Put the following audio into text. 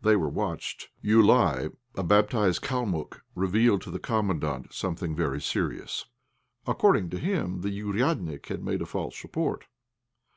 They were watched. Joulaï, a baptized Kalmuck, revealed to the Commandant something very serious. According to him the "ouriadnik" had made a false report.